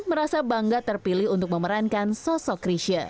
merasa bangga terpilih untuk memerankan sosok krisha